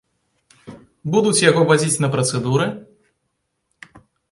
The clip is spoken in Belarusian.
Будуць яго вазіць на працэдуры?